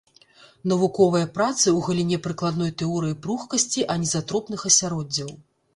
Навуковыя працы ў галіне прыкладной тэорыі пругкасці анізатропных асяроддзяў.